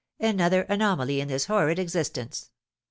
Another anomaly in this horrid existence.